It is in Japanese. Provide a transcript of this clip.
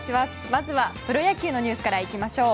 まずはプロ野球のニュースからいきましょう。